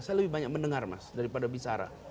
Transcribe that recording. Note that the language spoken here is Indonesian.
saya lebih banyak mendengar mas daripada bicara